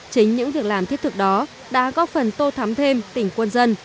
chính những việc làm thiết thực đó đã góp phần tô thắm thêm tỉnh quân dân